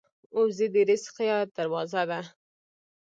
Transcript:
وزې د رزق یوه دروازه ده